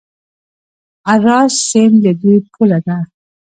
اراس سیند د دوی پوله ده.